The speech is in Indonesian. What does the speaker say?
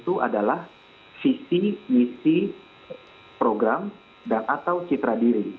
itu adalah visi misi program dan atau citra diri